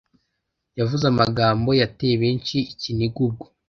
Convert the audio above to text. yavuze amagambo yateye benshi ikiniga ubwo...